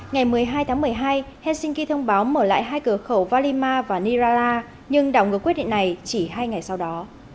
ngày một mươi hai tháng một mươi hai helsinki thông báo mở lại hai cửa khẩu valima và nirala nhưng đảo ngược quyết định này chỉ hai ngày sau đó